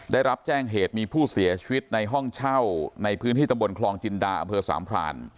ได้รับแจ้งเหตุมีผู้เสียชีวิตในห้องเช่าในพื้นที่ตำบลคลองจินดาอำเภอสามพราน